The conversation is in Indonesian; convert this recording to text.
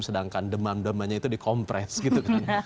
sedangkan demam demamnya itu dikompres gitu kan